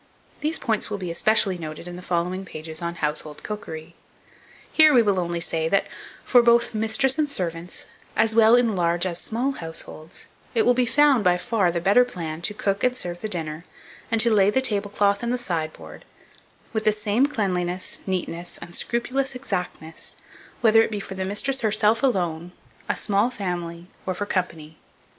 These points will be especially noted in the following pages on "Household Cookery." Here we will only say, that for both mistress and servants, as well in large as small households, it will be found, by far, the better plan, to cook and serve the dinner, and to lay the tablecloth and the sideboard, with the same cleanliness, neatness, and scrupulous exactness, whether it be for the mistress herself alone, a small family, or for "company."